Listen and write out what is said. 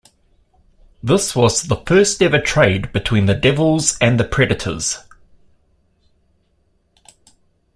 This was the first-ever trade between the Devils and the Predators.